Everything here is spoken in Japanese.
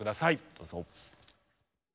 どうぞ。